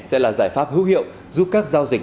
sẽ là giải pháp hữu hiệu giúp các giao dịch